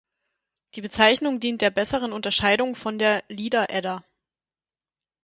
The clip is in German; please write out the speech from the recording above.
Die Bezeichnung dient der besseren Unterscheidung von der Lieder-Edda.